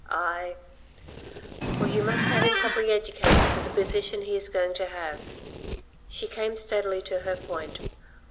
"Aye." "Well, you must have him properly educated for the position he is going to have." She came steadily to her point.